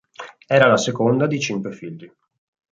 Era la seconda di cinque figli.